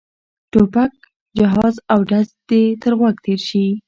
ټوپک جهاز او ډز دې تر غوږو تېر شي.